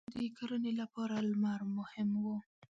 • د کرنې لپاره لمر مهم و.